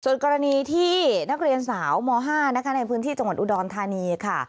ส่วนกรณีที่นักเรียนสาวม๕นะคะในพื้นที่จังหวัดอุดรธานีค่ะ